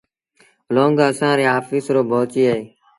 لونگ اسآݩ ري آڦيس رو ڀورچيٚ اهي